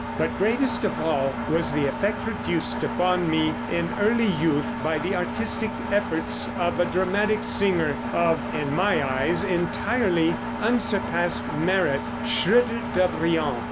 But greatest of all was the effect produced upon me in early youth by the artistic efforts of a dramatic singer of (in my eyes) entirely unsurpassed merit Schröder Devrient.